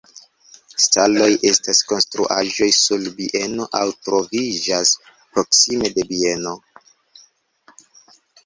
Staloj estas konstruaĵoj sur bieno aŭ troviĝas proksime de bieno.